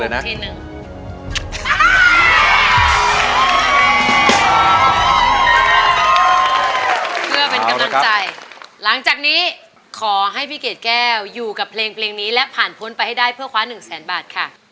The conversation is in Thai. เพื่อเป็นกำลังใจหลังจากนี้ขอให้พี่เกดแก้วอยู่กับเพลงนี้และผ่านพ้นไปให้ได้เพื่อคว้า๑แสนบาทค่ะ